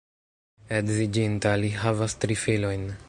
Edziĝinta, li havas tri filojn.